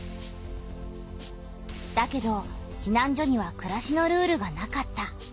だけどひなん所にはくらしのルールがなかった。